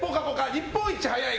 日本一早い！？